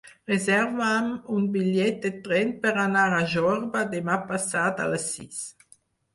Reserva'm un bitllet de tren per anar a Jorba demà passat a les sis.